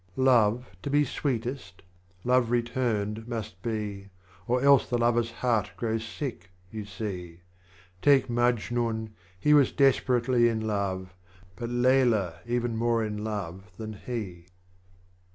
Love, to be sweetest, Love Returned must be, For else the Lover's Heart grows sick, you see Take Majnfm, he was desperately in love, But Leila even more in love than he.